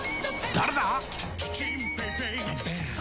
誰だ！